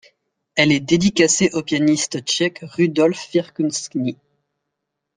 Elle est dédicacée au pianiste tchèque Rudolf Firkušný.